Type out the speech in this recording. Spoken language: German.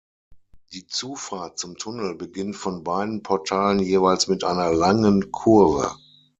Die Zufahrt zum Tunnel beginnt von beiden Portalen jeweils mit einer langen Kurve.